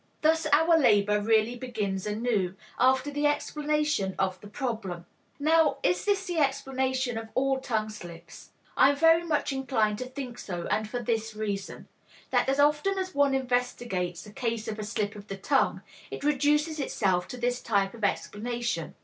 Thus our labor really begins anew, after the explanation of the problem. Now, is this the explanation of all tongue slips? I am very much inclined to think so and for this reason, that as often as one investigates a case of a slip of the tongue, it reduces itself to this type of explanation.